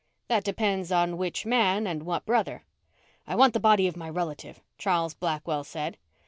"That depends on which man and what brother." "I want the body of my relative," Charles Blackwell said.